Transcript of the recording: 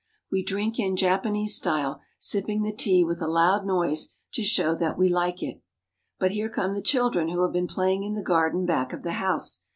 We drink in Japanese style, sipping the tea with a loud noise to show that we like it. But here come the children who have been playing in the garden back of the house.